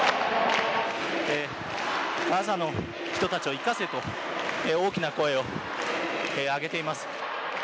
ガザの人たちを生かせと、大きな声を上げています。